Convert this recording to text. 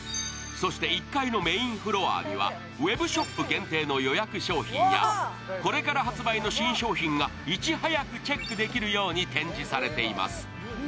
そして１階のメーンフロアには、ウェブショップ限定の予約商品やこれから発売の新商品がいちはやくチェックできるように展示されています。